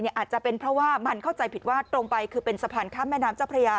อาจจะเป็นเพราะว่ามันเข้าใจผิดว่าตรงไปคือเป็นสะพานข้ามแม่น้ำเจ้าพระยา